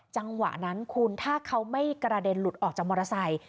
จังหวะนั้นคุณถ้าเขาไม่กระเด็นหลุดออกจากมอเตอร์ไซค์